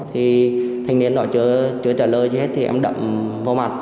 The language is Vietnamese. thì thanh niên đó chưa trả lời gì hết thì em đậm vào mặt